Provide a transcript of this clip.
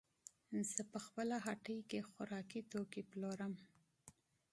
زه په خپله هټۍ کې خوراکي توکې پلورم.